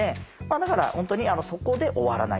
だから本当にそこで終わらない。